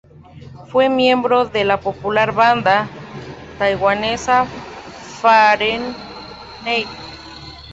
Fue miembro de la popular banda taiwanesa Fahrenheit.